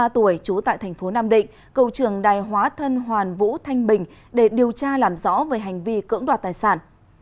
ba mươi tuổi trú tại thành phố nam định cầu trường đài hóa thân hoàn vũ thanh bình để điều tra làm rõ về hành vi cưỡng đoạt tài sản